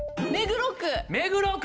目黒区。